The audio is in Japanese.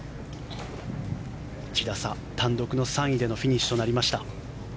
１打差、単独の３位でのフィニッシュとなりました。